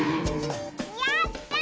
やった！